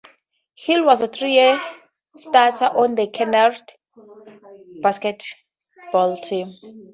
Hill was a three-year starter on the Kennedy basketball team.